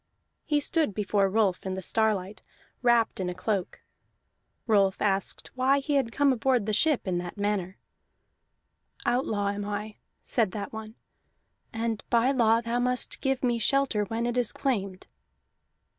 He stood before Rolf in the starlight, wrapped in a cloak. Rolf asked why he came aboard the ship in that manner. "Outlaw am I," said that one, "and by law thou must give me shelter when it is claimed."